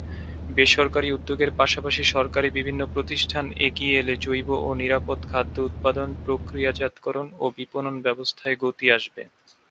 বেসরকারি উদ্যোগের পাশাপাশি সরকারি বিভিন্ন প্রতিষ্ঠান এগিয়ে এলে জৈব ও নিরাপদ খাদ্য উৎপাদন, প্রক্রিয়াজাতকরণ ও বিপণন ব্যবস্থায় গতি আসবে।